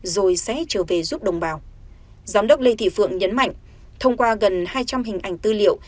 rồi xét trở về giúp đồng bào giám đốc lê thị phượng nhấn mạnh thông qua gần hai trăm linh hình ảnh tư liệu